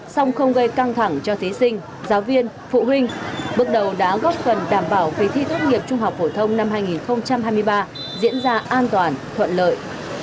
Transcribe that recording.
song không gây căng thẳng cho thí sinh giáo viên phụ huynh bước đầu đã góp phần đảm bảo kỳ thi tốt nghiệp trung học phổ thông năm hai nghìn hai mươi ba diễn ra an toàn thuận lợi